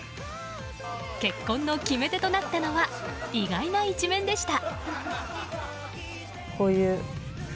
結婚の決め手となったのは意外な一面でした。